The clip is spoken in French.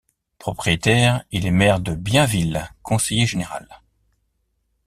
Propriétaire, il est maire de Bienville, conseiller général.